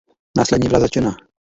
Následně byla zatčena.